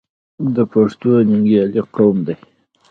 پښتون ننګیالی قوم دی.